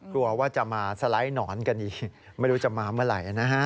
กลัวว่าจะมาสไลด์หนอนกันอีกไม่รู้จะมาเมื่อไหร่นะฮะ